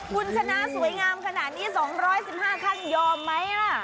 คุณชนะสวยงามขนาดนี้๒๑๕ขั้นยอมไหมล่ะ